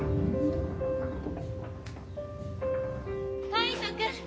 海斗君！